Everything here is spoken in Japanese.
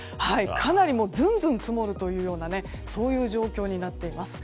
かなりずんずん積もるというようなそういう状況になっています。